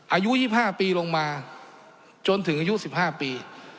อายุ๒๕ปีลงมาจนถึงอายุ๑๕ปี